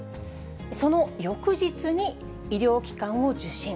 その翌日に医療機関を受診。